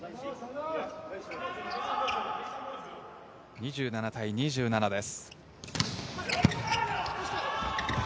２７対２７です。